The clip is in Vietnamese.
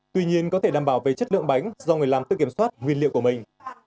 tuy nhiên có thể đảm bảo về chất lượng bánh do người làm tự kiểm soát nguyên liệu của mình